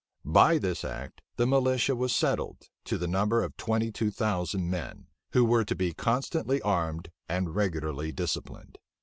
By this act, the militia was settled, to the number of twenty two thousand men, who were to be constantly armed and regularly disciplined.